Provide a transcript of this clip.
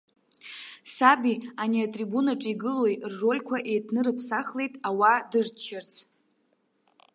Саби ани атрибунаҿ игылоуи ррольқәа еиҭнырыԥсахлеит, ауаа дырччарц.